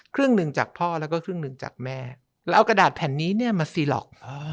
ครึ่งหนึ่งจากพ่อแล้วก็ครึ่งหนึ่งจากแม่แล้วเอากระดาษแผ่นนี้เนี่ยมาซีล็อก